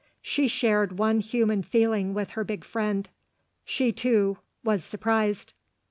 She shared one human feeling with her big friend she, too, was surprised.